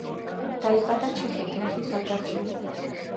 დაიბადა ჩეხი გლეხის ოჯახში.